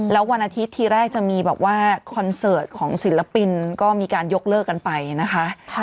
แล้ววันอาทิตย์ทีแรกจะมีแบบว่าคอนเสิร์ตของศิลปินก็มีการยกเลิกกันไปนะคะ